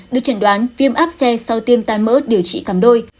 được chẩn đoán viêm áp xe sau tiêm tan mỡ điều trị cảm đôi